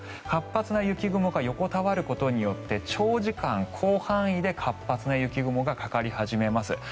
活発な雪雲が横たわることによって長時間、広範囲で活発な雪雲がかかり始めます。